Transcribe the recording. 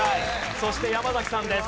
そして山崎さんです。